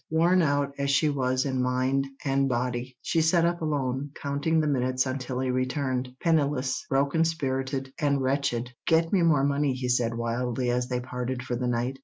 Worn out as she was in mind and body, she sat up alone, counting the minutes until he returned—penniless, broken spirited, and wretched. "Get me more money," he said wildly, as they parted for the night.